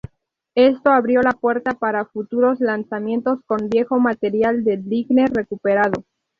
Esto abrió la puerta para futuros lanzamientos con viejo material de Dinger recuperado.